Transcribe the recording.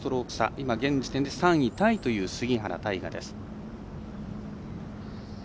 今、現時点で３位タイという杉原大河です。